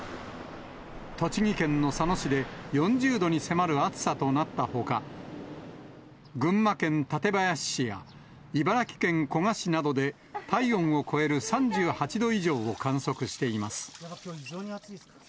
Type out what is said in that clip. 栃木県の佐野市で４０度に迫る暑さとなったほか、群馬県館林市や、茨城県古河市などで、体温を超える３８度以上を観測しています。